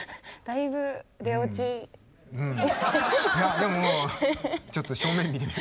いやでもちょっと正面見てみて。